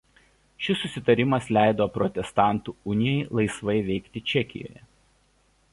Šis susitarimas leido Protestantų unijai laisvai veikti Čekijoje.